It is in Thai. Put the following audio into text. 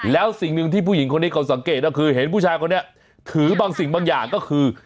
แล้วสิ่งหนึ่งที่ผู้หญิงคนนี้เขาสังเกตก็คือเห็นผู้ชายคนนี้ถือบางสิ่งบางอย่างก็คือ